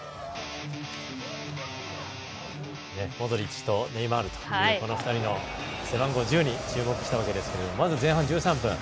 モドリッチとネイマールというこの２人の背番号１０に注目したわけですけれどもまず前半１３分。